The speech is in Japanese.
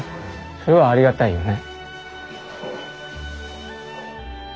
それはありがたいよね。